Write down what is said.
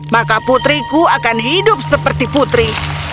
maka putriku akan hidup seperti putri